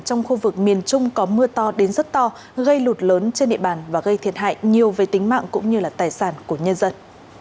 trong khu vực miền trung có mưa to đến rất to gây lụt lớn trên địa bàn và gây thiệt hại nhiều về tính mạng cũng như là tài sản của nhân dân